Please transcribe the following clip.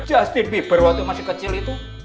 justin bieber waktu masih kecil itu